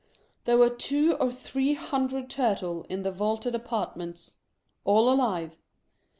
There were two or three hundred Turtle in the vaulted apartments — all alive.